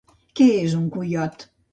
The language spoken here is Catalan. Què és un coiot?